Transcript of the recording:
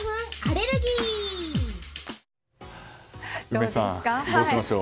宮司さん、どうしましょう。